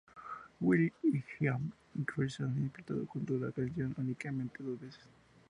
Will.i.am y Cyrus han interpretado juntos la canción únicamente dos veces.